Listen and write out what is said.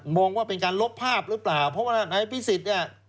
มองว่าเป็นการลบภาพหรือเปล่าเพราะว่านายอภิสิต